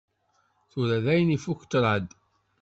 Tura dayen ifukk ṭṭraḍ.